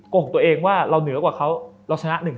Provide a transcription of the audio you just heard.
โกหกตัวเองว่าเราเหนือกว่าเขาเราชนะ๑